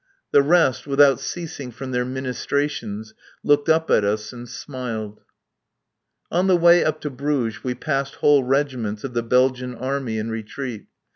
The rest, without ceasing from their ministrations, looked up at us and smiled. On the way up to Bruges we passed whole regiments of the Belgian Army in retreat.